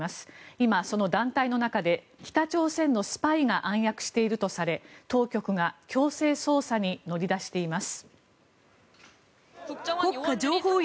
今、その団体の中で北朝鮮のスパイが暗躍しているとされ当局が強制捜査に乗り出しています。